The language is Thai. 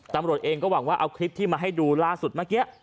ตำรวจเองก็หวังว่าเอาคลิปที่มาให้ดูล่าสุดเมื่อกี้